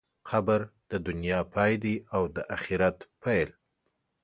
قبر د دنیا پای دی او د آخرت پیل.